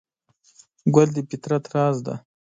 ګل د فطرت راز دی.